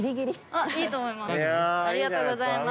ありがとうございます。